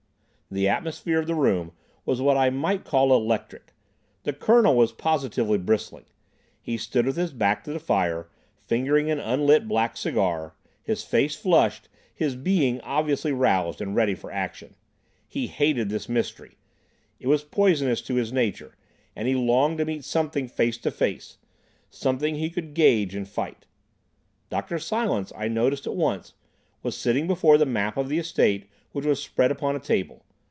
The atmosphere of the room was what I might call electric. The Colonel was positively bristling; he stood with his back to the fire, fingering an unlit black cigar, his face flushed, his being obviously roused and ready for action. He hated this mystery. It was poisonous to his nature, and he longed to meet something face to face—something he could gauge and fight. Dr. Silence, I noticed at once, was sitting before the map of the estate which was spread upon a table.